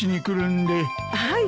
はい。